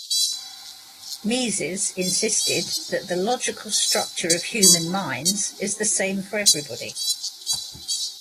Mises insisted that the logical structure of human minds is the same for everybody.